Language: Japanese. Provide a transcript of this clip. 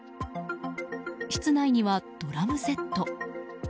室内にはドラムセット。